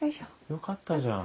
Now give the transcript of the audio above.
よかったじゃん。